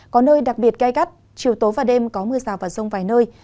có nơi đặc biệt cay cắt chiều tối và đêm có mưa rào và rông vài nơi